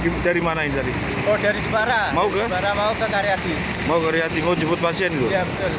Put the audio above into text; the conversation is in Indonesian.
pertemuan terakhir di jalan raya kaligawe